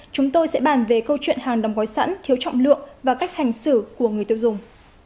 chúng tôi sẽ bàn về câu chuyện hàng đóng gói sẵn thiếu trọng lượng và cách hành xử của người tiêu dùng